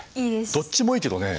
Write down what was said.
どっちもいいけどね。